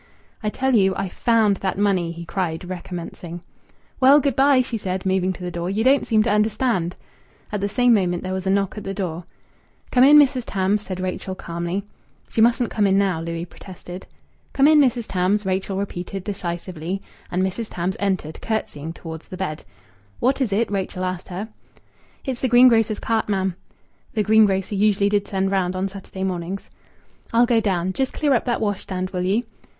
"I tell you I found that money," he cried, recommencing. "Well, good bye," she said, moving to the door. "You don't seem to understand." At the same moment there was a knock at the door. "Come in, Mrs. Tarns," said Rachel calmly. "She mustn't come in now," Louis protested. "Come in, Mrs. Tams," Rachel repeated decisively. And Mrs. Tams entered, curtsying towards the bed. "What is it?" Rachel asked her. "It's the greengrocer's cart, ma'am." The greengrocer usually did send round on Saturday mornings. "I'll go down. Just clear up that washstand, will you?"